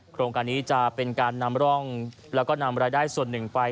โครงการนี้จะเป็นการนำร่องแล้วก็นำรายได้ส่วนหนึ่งไป